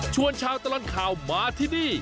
ชาวตลอดข่าวมาที่นี่